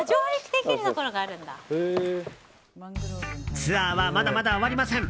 ツアーはまだまだ終わりません。